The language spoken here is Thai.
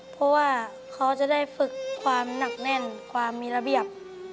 เพราะว่าเขาจะได้ฝึกความหนักแน่นความมีระเบียบ